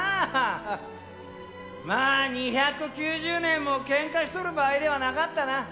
まあ２９０年も喧嘩しとる場合ではなかったなぁ。